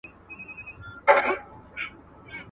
حکومت د سیمې د هېوادونو د داخلي چارو بې احترامي نه کوي.